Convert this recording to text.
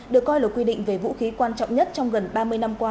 được coi là quy định về vũ khí quan trọng nhất trong gần ba mươi năm qua